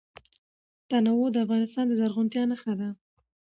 تنوع د افغانستان د زرغونتیا نښه ده.